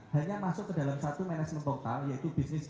hanya masuk ke dalam satu menit